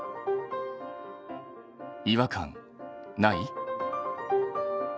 違和感ない？